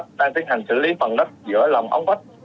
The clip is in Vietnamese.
đang tiếp hành xử lý phần đất giữa lòng ống bắt